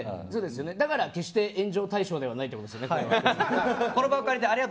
だから決して炎上対象ではないということですよねこれは。